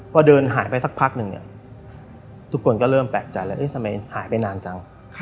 พอเดินหายไปสักพักหนึ่งทุกคนก็เริ่มแปลกใจแล้วทำไมหายไปนานจัง